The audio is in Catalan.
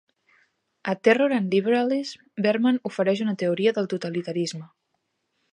A 'Terror and Liberalism', Berman ofereix una teoria del totalitarisme.